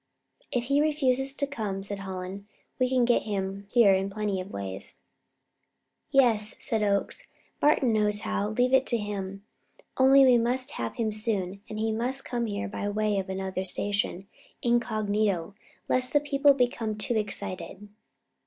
"If he refuses to come," said Hallen, "we can get him here in plenty of ways." "Yes," said Oakes, "Martin knows how; leave it to him. Only, we must have him soon, and he must come here by way of another station, incognito, lest the people become too excited."